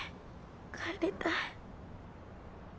帰りたい。